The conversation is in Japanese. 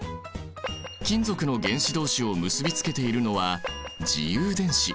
金属の原子どうしを結びつけているのは自由電子。